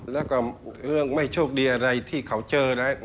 แล้วก็เรื่องไม่โชคดีอะไรที่เขาเจอนะ